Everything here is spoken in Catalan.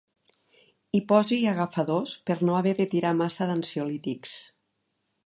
Hi posi agafadors per no haver de tirar massa d'ansiolítics.